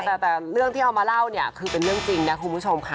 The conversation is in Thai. แต่เรื่องที่เอามาเล่าเนี่ยคือเป็นเรื่องจริงนะคุณผู้ชมค่ะ